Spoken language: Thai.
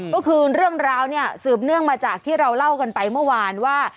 ก็คือเรื่องราวเนี่ยสืบเนื่องมาจากที่เราเล่ากันไปเมื่อวานว่า